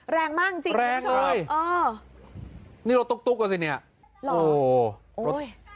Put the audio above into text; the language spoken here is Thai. แรงมากจริงแรงเลยอ๋อนี่รถตุ๊กตุ๊กกว่าสิเนี้ยหรอโอ้ย